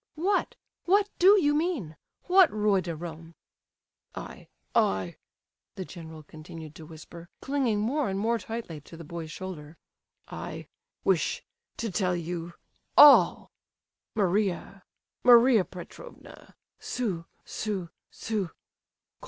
"What? What do you mean? What roi de Rome?" "I—I," the general continued to whisper, clinging more and more tightly to the boy's shoulder. "I—wish—to tell you—all—Maria—Maria Petrovna—Su—Su—Su......."